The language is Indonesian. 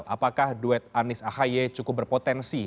apakah duet anies ahaye cukup berpotensi